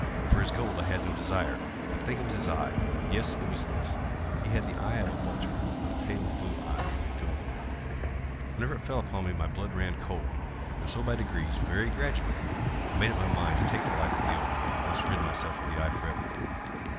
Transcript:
For his gold I had no desire. I think it was his eye! yes, it was this! He had the eye of a vulture—a pale blue eye, with a film over it. Whenever it fell upon me, my blood ran cold; and so by degrees—very gradually—I made up my mind to take the life of the old man, and thus rid myself of the eye forever.